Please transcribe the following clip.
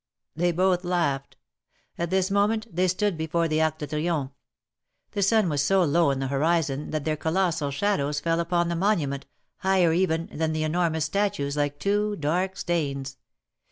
They both laughed. At this moment they stood before the Arc de Triomphe. The sun was so low in the horizon, that their colossal shadows fell upon the monument, higher, even, than the enormous statues, like two dark stains.